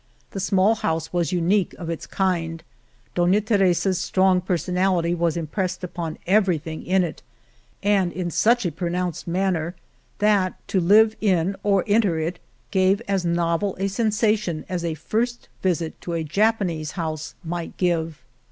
The small house was unique of its kind ; Dona Teresa's strong personality was impressed upon everything in it, and in such a pronounced manner that to live in, or enter, it gave as novel a sensation as a first visit to a Japanese house might give.